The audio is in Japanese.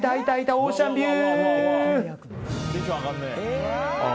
オーシャンビュー！